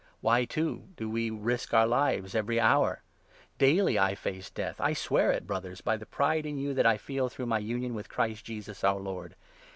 Why, too, do we risk our lives every hour ? Daily I face death — I swear it, Brothers, by the pride in you that I feel through my union with Christ Jesus, our Lord.